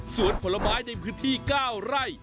สวนผลไม้ในพื้นที่ก้าวไร่